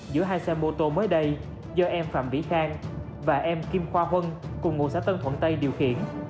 giữa hai xe mô tô mới đây do em phạm vĩ khang và em kim khoa huân cùng ngũ xã tân thuận tây điều khiển